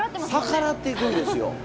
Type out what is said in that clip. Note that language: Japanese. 逆らっていくんですよ。